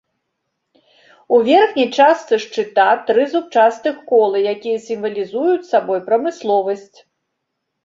У верхняй частцы шчыта тры зубчастых колы, якія сімвалізуюць сабой прамысловасць.